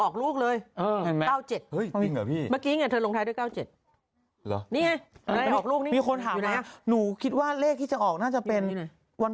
ส่งเลขอะไรมานายกลง๙๗๗๙นี่แม่ง๙๗๗๙อุ๊ยออกรถนายกว่านี้เหรอ